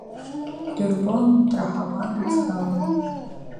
Дырбон, драҳауан, ицхраауан.